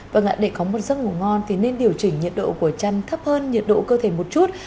vâng ạ để có một giấc ngủ ngon thì nên điều chỉnh nhiệt độ của chăn thấp hơn nhiệt độ cơ thể một chút